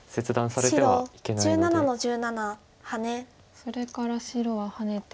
それから白はハネて。